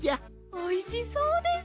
おいしそうです！